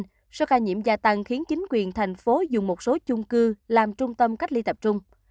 thượng hải thông báo rằng khiến chính quyền thành phố dùng một số chung cư làm trung tâm cách ly tập trung